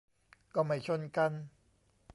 ก็ไม่ชนกัน